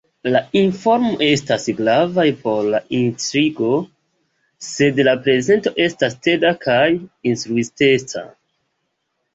La informoj estas gravaj por la intrigo, sed la prezento estas teda kaj instruisteca.